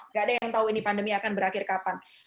nggak ada yang tahu ini pandemi akan berakhir kapan